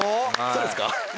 そうですか？